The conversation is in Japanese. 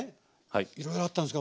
いろいろあったんですけど